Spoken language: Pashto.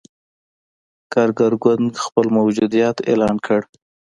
کارګر ګوند خپل موجودیت اعلان کړ.